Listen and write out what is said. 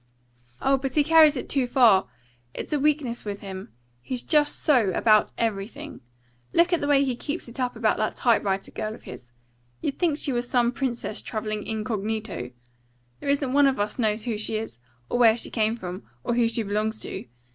"Oh, but he carries it too far! It's a weakness with him. He's just so about everything. Look at the way he keeps it up about that type writer girl of his. You'd think she was some princess travelling incognito. There isn't one of us knows who she is, or where she came from, or who she belongs to.